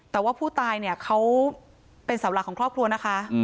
แต่ว่าผู้ตายเนี่ยเขาเป็นเสาหลักของครอบครัวนะคะ